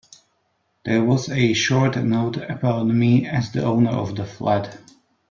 There was a short note about me as the owner of the flat.